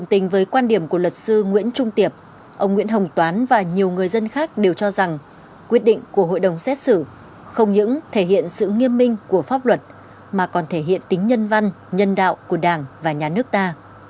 tình với quan điểm của luật sư nguyễn trung tiệp ông nguyễn hồng toán và nhiều người dân khác đều cho rằng quyết định của hội đồng xét xử không những thể hiện sự nghiêm minh của pháp luật mà còn thể hiện tính nhân văn nhân đạo của đảng và nhà nước ta